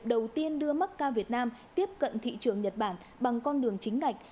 đầu tiên đưa macca việt nam tiếp cận thị trường nhật bản bằng con đường chính ngạch